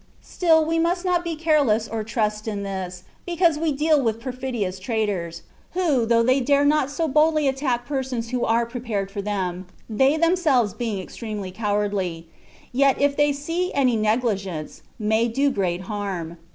Still, we must not be careless or trust in this, because we deal with perfidious traitors, who, though they dare not so boldly attack persons who are pre pared for them (they themselves being extremely cowardly) ; yet if they see any negligence, may do great harm.